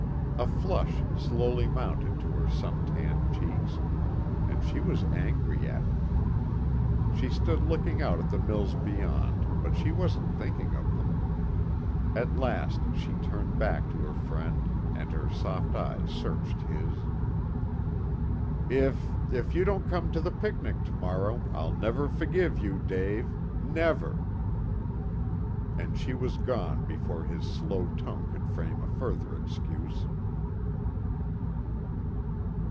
A flush slowly mounted to her sun tanned cheeks, and she was angry at it. She stood looking out at the mills beyond, but she wasn't thinking of them. At last she turned back to her friend and her soft eyes searched his. "If if you don't come to the picnic to morrow, I'll never forgive you, Dave never!" And she was gone before his slow tongue could frame a further excuse.